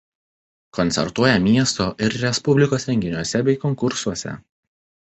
Koncertuoja miesto ir respublikos renginiuose bei konkursuose.